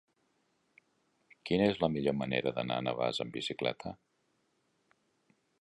Quina és la millor manera d'anar a Navàs amb bicicleta?